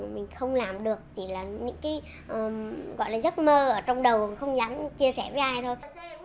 mình không làm được chỉ là những cái gọi là giấc mơ ở trong đầu không dám chia sẻ với ai đâu